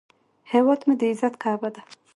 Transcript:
هیواد مې د عزت کعبه ده